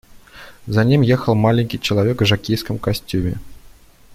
За ним ехал маленький человек в жокейском костюме.